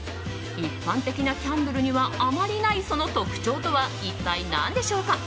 一般的なキャンドルにはあまりないその特徴とは一体何でしょうか？